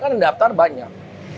kan daftar banyak